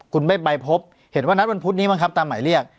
คุณไม่ไปพบเห็นว่านัดวันพุธนี้บ้างครับตามหมายเรียก